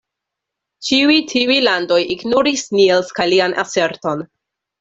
Ĉiuj tiuj landoj ignoris Niels kaj lian aserton.